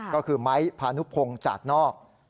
ก็คือไม้พานุพงศ์จาดนอก